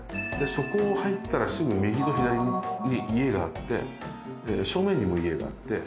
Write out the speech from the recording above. そこを入ったらすぐ右と左に家があって正面にも家があって。